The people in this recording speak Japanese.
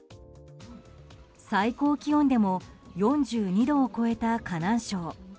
最高気温でも４２度を超えた河南省。